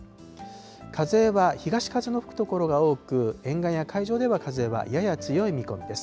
風は東風の吹く所が多く、沿岸や海上では風はやや強い見込みです。